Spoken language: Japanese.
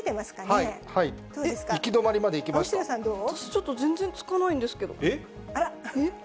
私、ちょっと全然つかないんあら。